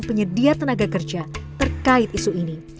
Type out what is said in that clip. penyedia tenaga kerja terkait isu ini